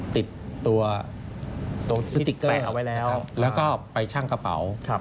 ติดตัวสติ๊กเกอร์แล้วก็ไปชั่งกระเป๋า